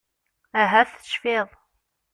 Ahat tecfiḍ.